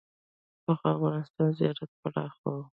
پخوا افغانستان زیات پراخ و